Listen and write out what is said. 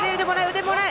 腕もらえ。